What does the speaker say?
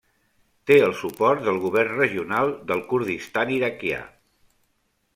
Té el suport del govern regional del Kurdistan Iraquià.